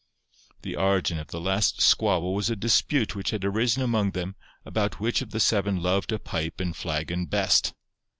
The origin of the last squabble was a dispute which had arisen among them about which of the seven loved a pipe and flagon best.